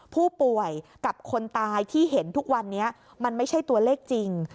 ผู้ป่วยกับคนตายที่เห็นทุกวันนี้มันไม่ใช่ตัวเลขจริง